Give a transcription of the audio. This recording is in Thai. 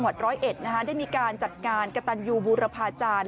ได้มีการจัดงานกระตันยูบูรพาจารย์